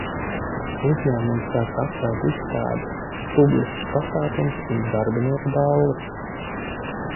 Uzņēmumi sāk atcelt izstādes, publiskus pasākumus un darbinieku balles.